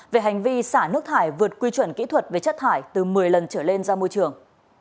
về hành vi xả nước thải vượt quy chuẩn kỹ thuật về chất thải từ một mươi lần trở lên ra môi trường